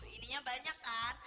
ininya banyak kan